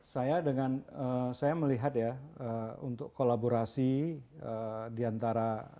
saya dengan saya melihat ya untuk kolaborasi diantara